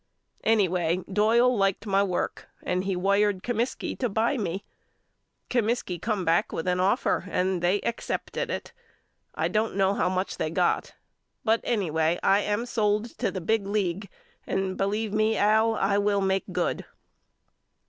Anyway Doyle liked my work and he wired Comiskey to buy me. Comiskey come back with an offer and they excepted it. I don't know how much they got but anyway I am sold to the big league and believe me Al I will make good.